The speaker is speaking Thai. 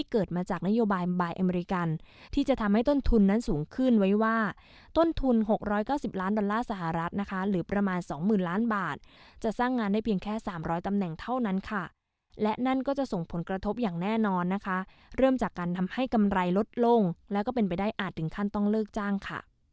เกิดมาจากนโยบายบายอเมริกันที่จะทำให้ต้นทุนนั้นสูงขึ้นไว้ว่าต้นทุน๖๙๐ล้านดอลลาร์สหรัฐนะคะหรือประมาณสองหมื่นล้านบาทจะสร้างงานได้เพียงแค่๓๐๐ตำแหน่งเท่านั้นค่ะและนั่นก็จะส่งผลกระทบอย่างแน่นอนนะคะเริ่มจากการทำให้กำไรลดลงแล้วก็เป็นไปได้อาจถึงขั้นต้องเลิกจ้างค่ะ